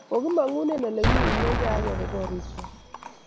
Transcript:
Kikimongu eng Ole kiunekei akebe gorikcho